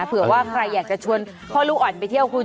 เผื่อว่าใครอยากจะชวนพ่อลูกอ่อนไปเที่ยวคุณ